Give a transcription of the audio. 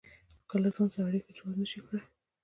که له ځان سره اړيکه جوړه نشئ کړای.